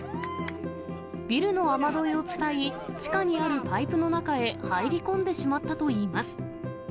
ビルの雨どいを伝い、地下にあるパイプの中へ入り込んでしまったといいます。